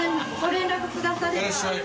いらっしゃい。